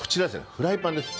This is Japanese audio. フライパンです。